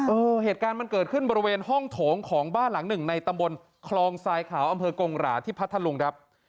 เหตุการณ์มันเกิดขึ้นบริเวณห้องโถงของบ้านหลังหนึ่งในตำบลคลองทรายขาวอำเภอกงหราที่พัทธลุงครับ